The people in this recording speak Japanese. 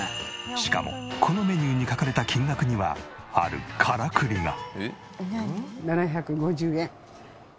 しかもこのメニューに書かれた金額にはあるカラクリが。